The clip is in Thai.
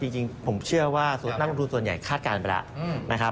จริงผมเชื่อว่านักลงทุนส่วนใหญ่คาดการณ์ไปแล้วนะครับ